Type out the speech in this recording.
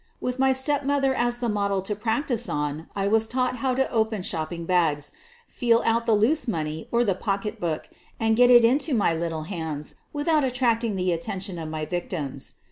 With my stepmother as the model to practice on I was taught how to open shopping bags, feel out the loose money or the pocketbook and get it into my lit tle hands without attracting the attention of my vic tims.